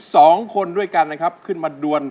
สองคนด้วยกันนะครับขึ้นมาดวน